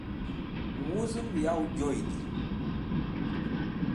Wuzem yaw joydi.